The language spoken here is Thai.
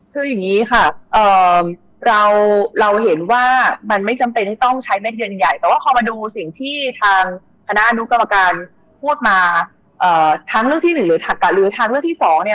คืออย่างนี้ค่ะเราเห็นว่ามันไม่จำเป็นที่ต้องใช้เม็ดเทียนใหญ่แต่ว่าพอมาดูสิ่งที่ทางคณะอนุกรรมการพูดมาทั้งเรื่องที่๑หรือถักกะหรือทางเรื่องที่สองเนี่ย